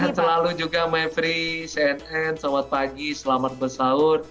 sehat selalu juga maefri cnn selamat pagi selamat bersahur